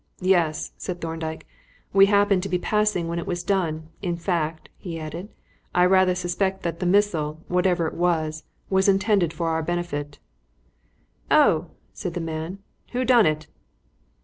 "Yes," said Thorndyke, "we happened to be passing when it was done; in fact," he added, "I rather suspect that the missile, whatever it was, was intended for our benefit." "Oh!" said the man. "Who done it?"